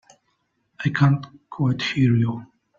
I can't quite hear you.